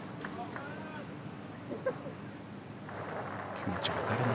気持ちわかるな。